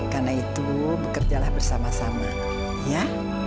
karena itu bekerjalah bersama sama ya